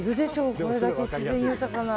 これだけ自然豊かなら。